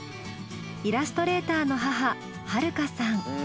イラストレーターの母晴香さん。